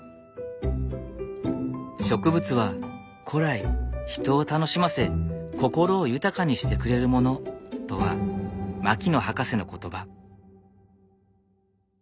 「植物は古来人を楽しませ心を豊かにしてくれるもの」とは牧野博士の言葉。